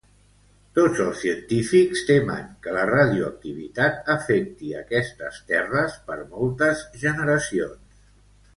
Tots els científics temen que la radioactivitat afecti aquestes terres per moltes generacions.